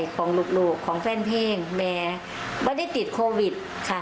ของลูกของแฟนเพลงแม่ไม่ได้ติดโควิดค่ะ